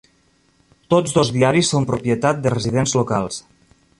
Tots dos diaris són propietat de residents locals.